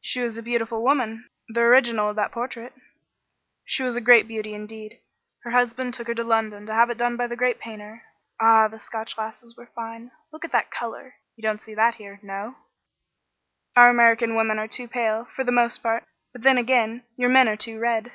"She was a beautiful woman, the original of that portrait." "She was a great beauty, indeed. Her husband took her to London to have it done by the great painter. Ah, the Scotch lasses were fine! Look at that color! You don't see that here, no?" "Our American women are too pale, for the most part; but then again, your men are too red."